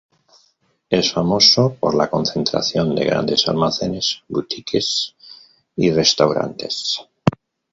Es famoso por la concentración de grandes almacenes, "boutiques" y restaurantes.